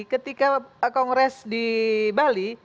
ketika kongres di bali